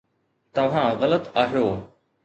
توهان غلط آهيو